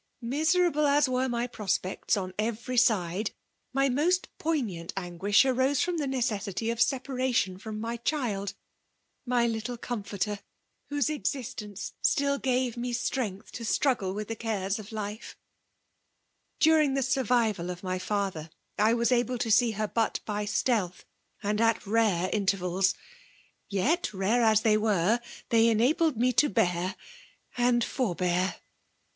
" Miserable as were my prospects on eveiy aide, my most poignant anguish arose froo flie necessity of separation from ray chflA— "^y Kttle comforter — whose existence still gars mc strength to struggle ¥rith the cares of Kfe* During the swrvival of my fiither, I was aWe to see her but by stealth, and at rare intervs^s r yet rare as they were, they enaUed me t9 bear and forbear.